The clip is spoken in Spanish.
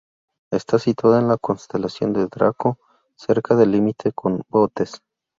Está situada en la constelación de Draco cerca del límite con Bootes.